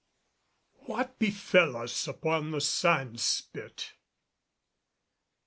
WHAT BEFELL US UPON THE SAND SPIT.